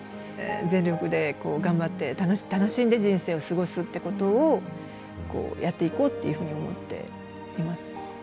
全力で頑張って楽しんで人生を過ごすってことをやっていこうっていうふうに思っています。